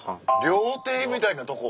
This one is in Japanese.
料亭みたいなとこ？